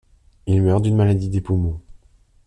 Il meurt d’une maladie des poumons.